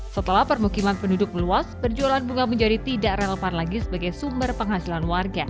setelah permukiman penduduk meluas perjualan bunga menjadi tidak relevan lagi sebagai sumber penghasilan warga